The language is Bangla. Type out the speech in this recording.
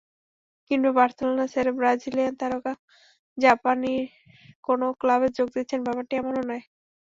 কিংবা বার্সেলোনা ছেড়ে ব্রাজিলিয়ান তারকা জাপানের কোনো ক্লাবে যোগ দিচ্ছেন—ব্যাপারটা এমনও নয়।